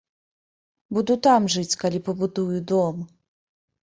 Буду там жыць, калі пабудую дом!